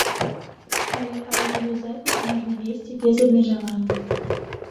Але аўдыёзапіс можна весці без абмежаванняў.